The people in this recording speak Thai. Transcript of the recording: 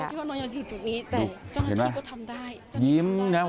เพื่อนบ้านเจ้าหน้าที่อำรวจกู้ภัย